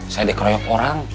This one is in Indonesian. saya dikeroyok orang